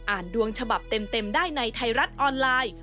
ดวงฉบับเต็มได้ในไทยรัฐออนไลน์